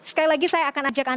sekali lagi saya akan menunjukkan